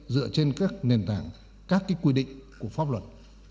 dựa trên các nền tảng các quy định của pháp luật